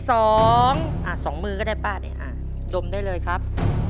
สองมือก็ได้ป้าเนี่ยดมได้เลยครับ